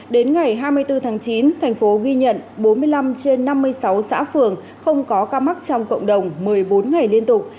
đến ngày hai mươi bốn tháng chín thành phố ghi nhận bốn mươi năm trên năm mươi sáu xã phường không có ca mắc trong cộng đồng một mươi bốn ngày liên tục